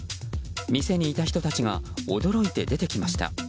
店にいた人たちが驚いて出てきました。